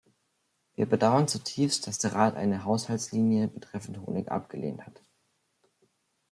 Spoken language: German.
Wir bedauern zutiefst, dass der Rat eine Haushaltslinie betreffend Honig abgelehnt hat.